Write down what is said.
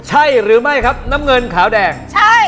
ใช่หรือไม่ครับน้ำเงินขาวแดงใช่